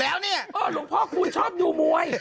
เออหลวงพ่อภูนย์ชอบดูมวย